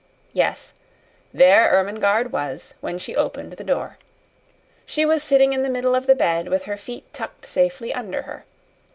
Yes; there Ermengarde was when she opened the door. She was sitting in the middle of the bed, with her feet tucked safely under her.